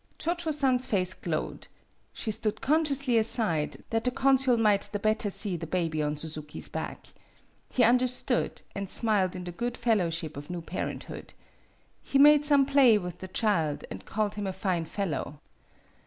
Cho Cho San's face glowed. She stood consciously aside, that the consul might the better see the baby on Suzuki's back. He understood, and smiled in the good fellow ship of new parenthood. He made some play with the child, and called him a fine fellow.